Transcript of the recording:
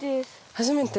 初めて？